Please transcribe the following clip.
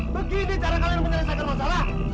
begitu cara kalian mengerjakan masalah